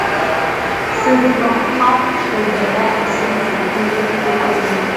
Сызлахәҳахәҭшаз иара исиҭеит, уи усгьы ирдыруан.